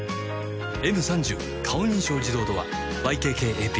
「Ｍ３０ 顔認証自動ドア」ＹＫＫＡＰ